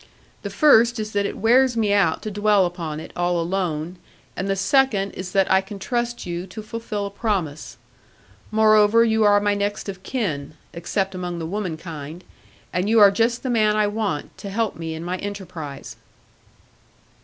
The first is that it wears me out to dwell upon it, all alone, and the second is that I can trust you to fulfil a promise. Moreover, you are my next of kin, except among the womankind; and you are just the man I want, to help me in my enterprise.'